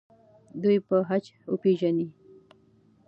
دوی به خج وپیژني.